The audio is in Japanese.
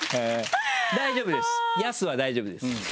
大丈夫ですヤスは大丈夫です。